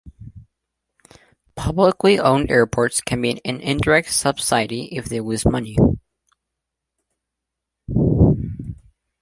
Publicly owned airports can be an indirect subsidy if they lose money.